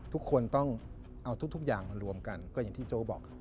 ทุกคนต้องเอาทุกอย่างมารวมกันก็อย่างที่โจ๊กบอก